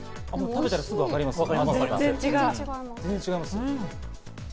食べたら、すぐわかりますか？